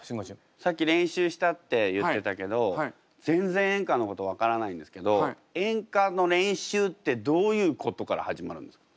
さっき練習したって言ってたけど全然演歌のこと分からないんですけど演歌の練習ってどういうことから始まるんですか？